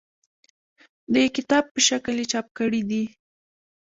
د کتاب په شکل یې چاپ کړي دي.